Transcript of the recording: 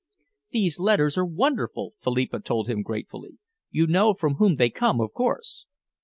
"These letters are wonderful," Philippa told him gratefully. "You know from whom they come, of course.